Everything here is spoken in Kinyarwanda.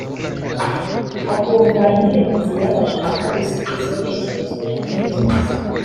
akumva indirimbo zibabaje aho gusiga izo ntekerezo ngo akomeze ubuzima